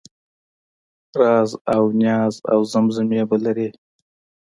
رازاونیازاوزمزمې به لرې